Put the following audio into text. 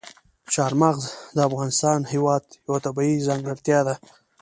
چار مغز د افغانستان هېواد یوه طبیعي ځانګړتیا ده.